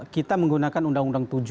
kita menggunakan undang undang tujuh